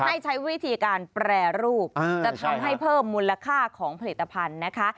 ให้ใช้วิธีการแปรรูปจะทำให้เพิ่มมูลค่าของผลิตภัณฑ์นะคะ